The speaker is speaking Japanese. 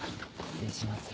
失礼します。